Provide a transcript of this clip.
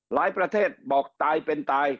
ประเทศบอกตายเป็นตาย